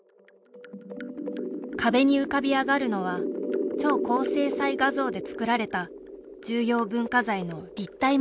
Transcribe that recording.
壁に浮かび上がるのは超高精細画像で作られた重要文化財の立体モデルです